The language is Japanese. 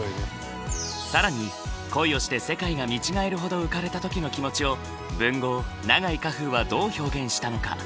更に恋をして世界が見違えるほど浮かれた時の気持ちを文豪永井荷風はどう表現したのか。